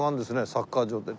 サッカー場で。